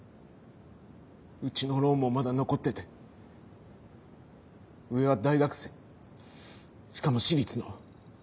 うちのローンもまだ残ってて上は大学生しかも私立の。